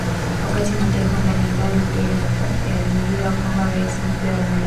katika mataifa mbalimbaliJe unajua kwamba Rais mpya wa Malawi Lazarus Chikwera anapenda kuimbaa